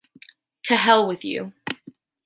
To hell with you!